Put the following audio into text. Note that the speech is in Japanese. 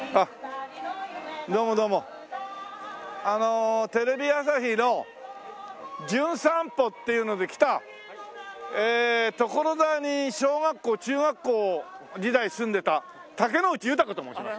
あのテレビ朝日の『じゅん散歩』っていうので来た所沢に小学校中学校時代住んでた竹野内豊と申します。